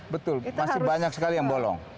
betul masih banyak sekali yang bolong